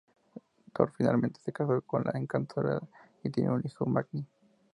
Thor finalmente se casa con la Encantadora y tiene un hijo, Magni.